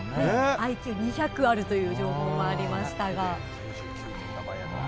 ＩＱ２００あるという情報もありましたが。